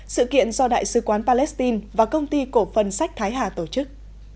sự kiện do đại sứ quán palestine và công ty cổ phân sách thái hà tổ chức